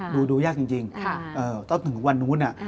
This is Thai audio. แต่ถึงวันนู้น